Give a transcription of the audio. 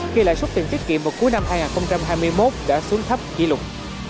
khi lãi suất tiền tiết kiệm vào cuối năm hai nghìn hai mươi một đã xuống thấp kỷ lục